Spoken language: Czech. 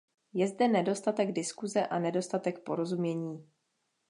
Je zde nedostatek diskuze a nedostatek porozumění.